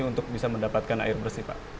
untuk bisa mendapatkan air bersih pak